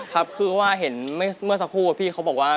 ครับคือว่าเห็นเมื่อสักครู่พี่เขาบอกว่า